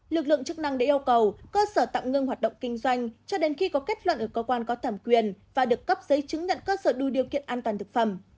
lực lượng chức năng đã yêu cầu cơ sở tạm ngưng hoạt động kinh doanh cho đến khi có kết luận ở cơ quan có thẩm quyền và được cấp giấy chứng nhận cơ sở đủ điều kiện an toàn thực phẩm